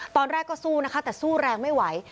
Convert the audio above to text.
ตอนแรกก็สู้นะคะแต่สู้แรงไม่ไหว